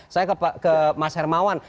saya ke mas hermawan